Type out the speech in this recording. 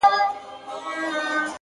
• نا امیده له قاضي له حکومته,